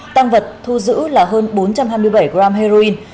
tăng vật thu giữ là hơn bốn trăm hai mươi bảy gram heroin